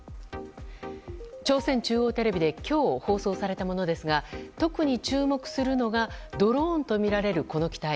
朝鮮中央テレビで今日放送されたものですが特に注目するのがドローンとみられるこの機体。